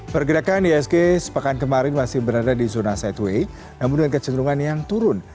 pergerakan isg sepekan kemarin masih berada di zona sideway namun dengan kecenderungan yang turun